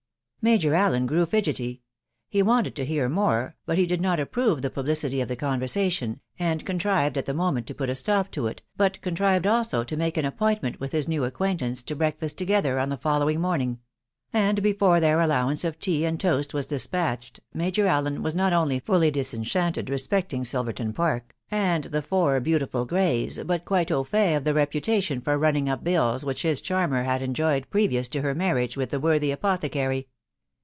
Major Allen grew fidgety ; he wanted to hear more, but did not approve the publicity of the conversation, and contrived at the moment to put a stop to it, but contrived also to make an appointment with his new acquaintance to breakfast together on the following morning ; and before their allowance of tea and toast was despatched, Major Allen was not only fully dis enchanted, respecting Silverton Park, and the four beautiful greys, but quite au fait of the reputation for running up bill* which his charmer had enjoyed previous to her marriage with the worthy apothecary.